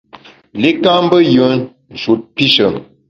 Li ka mbe yùen, nshut pishe.